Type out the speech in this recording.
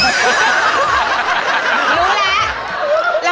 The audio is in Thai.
รู้แล้ว